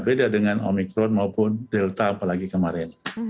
beda dengan omikron maupun delta apalagi kemarin